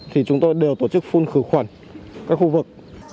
thì chúng tôi đều tổ chức phun khử khuẩn các khu vực